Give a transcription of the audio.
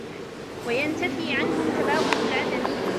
وَيَنْتَفِي عَنْهُمْ تَبَاغُضُ الْعَدَمِ